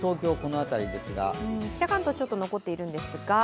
北関東、ちょっと残っているんですが。